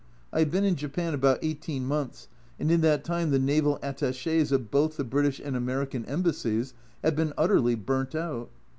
I have been in Japan about eighteen months, and in that time the Naval Attaches of both the British and American Embassies have been utterly burnt out.